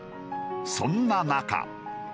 そんな中。